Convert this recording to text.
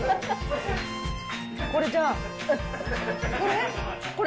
これじゃあ、これ？